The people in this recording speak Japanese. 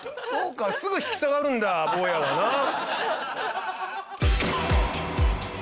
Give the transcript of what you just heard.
そうかすぐ引き下がるんだ坊やはな。